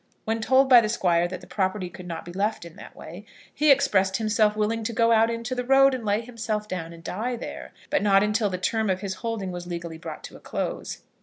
When told by the Squire that the property could not be left in that way, he expressed himself willing to go out into the road, and lay himself down and die there; but not until the term of his holding was legally brought to a close.